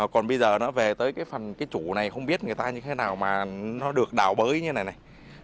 còn bây giờ nó về tới cái phần cái chủ này không biết người ta như thế nào mà nó được đảo bới như này này